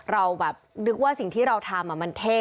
เราแบบนึกว่าสิ่งที่เราทำมันเท่